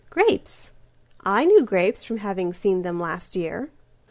Grapes, I knew grapes from having seen them last year.